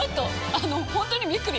あの本当にびっくり！